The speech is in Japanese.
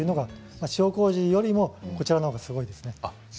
塩こうじよりもこちらのほうがすごいですね。